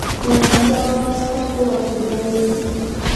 دا ستا په واک کې دي